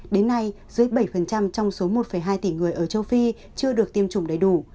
đến nay dưới bảy trong số một hai tỷ người ở châu phi chưa được tiêm chủng đầy đủ